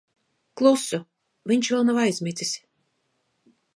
Klusu. Viņš vēl nav aizmidzis.